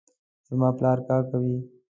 زما پلار کار کوي